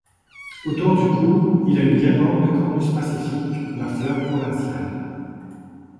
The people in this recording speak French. Autour du cou, il a une guirlande de cornus pacifique, la fleur provinciale.